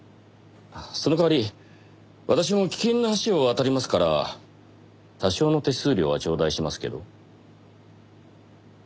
その代わり私も危険な橋を渡りますから多少の手数料は頂戴しますけど。